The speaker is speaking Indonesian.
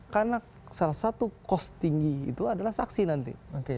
karena salah satu kos tinggi itu adalah saksi nanti